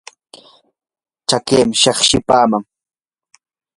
chakiimi shiqshipaaman